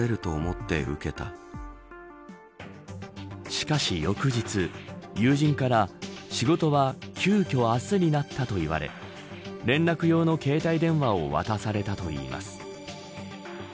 しかし、翌日友人から仕事は急きょ明日になったと言われ連絡用の携帯電話を渡されたといいます。